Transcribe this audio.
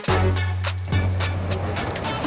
gak ada apa apa